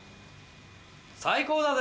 最高だぜ。